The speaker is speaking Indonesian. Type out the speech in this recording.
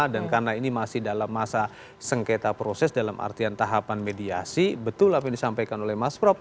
dan karena ini masih dalam masa sengketa proses dalam artian tahapan mediasi betul apa yang disampaikan oleh mas prop